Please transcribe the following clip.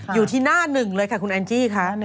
อยู่ที่หน้าหนึ่งเลยค่ะคุณแอนจี้ค่ะ